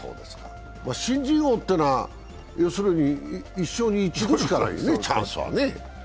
新人王というのは一生に一度しかないよね、チャンスは。